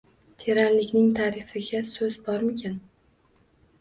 Teranlikning ta’rifiga so’z bormikan?..